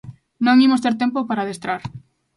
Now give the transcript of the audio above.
Non imos ter tempo para adestrar.